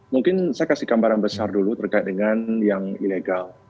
mungkin saya kasih gambaran besar dulu terkait dengan yang ilegal